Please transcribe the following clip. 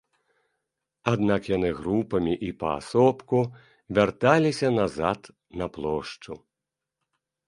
Аднак яны групамі і паасобку вярталіся назад на плошчу.